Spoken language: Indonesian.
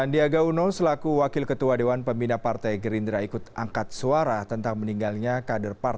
tidak ada yang mau berpikir